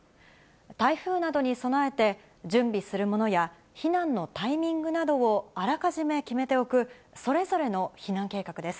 台風などに備えて、準備するものや、避難のタイミングなどをあらかじめ決めておく、それぞれの避難計画です。